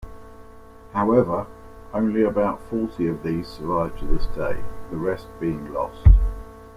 However, only about forty of these survived to this day, the rest being lost.